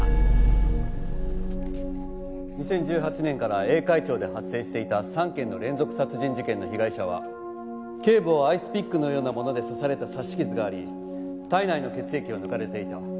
２０１８年から栄海町で発生していた３件の連続殺人事件の被害者は頸部をアイスピックのようなもので刺された刺し傷があり体内の血液を抜かれていた。